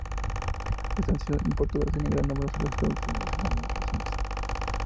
Estas han sido importadas en gran número a los Estados Unidos en años recientes.